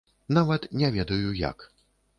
Нават не ведаю як.